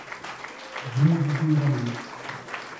Vindo de um danado.